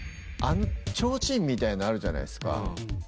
あのちょうちんみたいなあるじゃないですか。